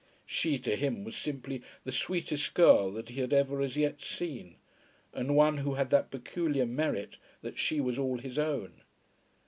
She to him was simply the sweetest girl that he had ever as yet seen, and one who had that peculiar merit that she was all his own.